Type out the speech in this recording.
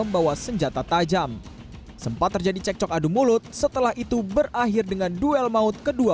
membawa senjata tajam sempat terjadi cekcok adu mulut setelah itu berakhir dengan duel maut kedua